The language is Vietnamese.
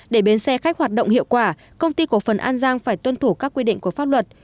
để bến xe khách hoạt động hiệu quả công ty cổ phần an giang phải tuân thủ các quy định của pháp luật